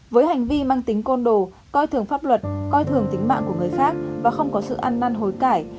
với hành vi mang tính côn đồ coi thường pháp luật coi thường tính mạng của người khác và không có sự ăn năn hối cải